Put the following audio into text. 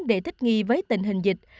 để thích nghi với tình hình dịch